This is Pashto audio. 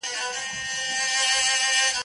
دا د تورزنو د خپلویو ځالۍ